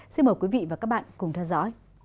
xin mời quý vị và các bạn cùng theo dõi